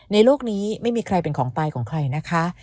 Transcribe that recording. โลกนี้ไม่มีใครเป็นของตายของใครนะคะ